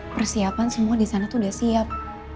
persiapan semua disana udah siap